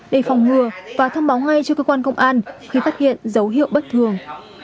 để phòng ngừa và thông báo ngay cho cơ quan công an khi phát hiện dấu hiệu bất thường